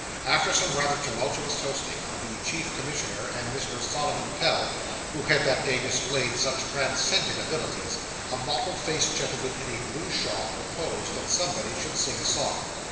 After some rather tumultuous toasting of the Chief Commissioner and Mr. Solomon Pell, who had that day displayed such transcendent abilities, a mottled faced gentleman in a blue shawl proposed that somebody should sing a song.